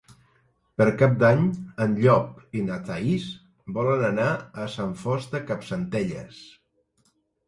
Per Cap d'Any en Llop i na Thaís volen anar a Sant Fost de Campsentelles.